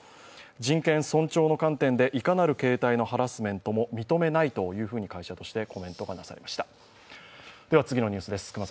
人権尊重の観点でいかなる形態のハラスメントも認めないと会社としてコメントがなされました